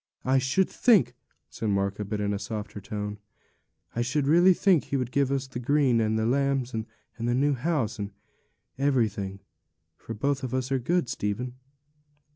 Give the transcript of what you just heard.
'I should think,' said Martha, but in a softer tone, 'I should really think He would give us the green, and the lambs, and the new house, and everything; for both of us are good, Stephen.'